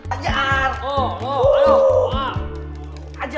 aduh ada apa ya